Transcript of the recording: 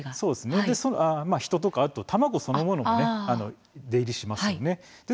人とか卵そのものも出入りしますよね。